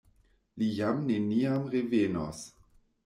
Li jam neniam revenos.